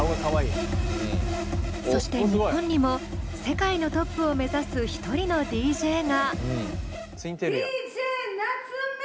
そして日本にも世界のトップを目指す１人のＤＪが。